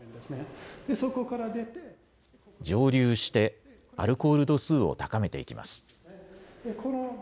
蒸留してアルコール度数を高めていきます。